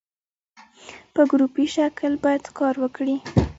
په ګروپي شکل باید کار وکړي.